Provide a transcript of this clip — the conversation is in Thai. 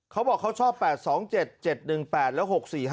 เขาบอกเขาชอบ๘๒๗๗๑๘แล้ว๖๔๕